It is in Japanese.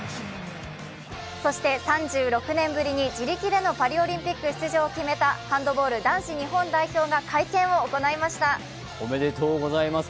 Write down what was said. そして３６年ぶりに自力でのパリオリンピック出場を決めたハンドボール男子日本代表が会見を行いましたおめでとうございます。